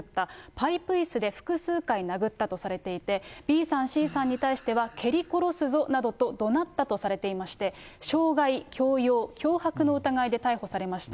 パイプいすで複数回殴ったとされていて、Ｂさん、Ｃさんに対しては蹴り殺すぞなどと、どなったとされていまして、傷害、強要、脅迫の疑いで逮捕されました。